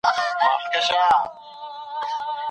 پر توشکه باندي څه سی انځور سوي وو؟